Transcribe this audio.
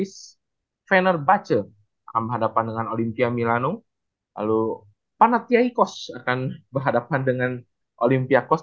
svenerbacher akan berhadapan dengan olympia milanung lalu panartyaykos akan berhadapan dengan olympiakos